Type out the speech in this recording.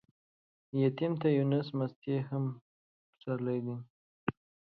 يتيم ته يو نس مستې هم پسرلى دى.